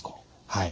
はい。